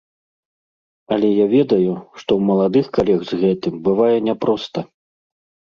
Але я ведаю, што ў маладых калег з гэтым бывае няпроста.